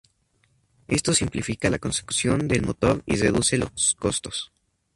Esto simplifica la construcción del motor y reduce los costos.